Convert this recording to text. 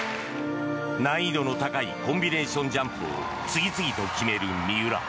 難易度の高いコンビネーションジャンプを次々と決める三浦。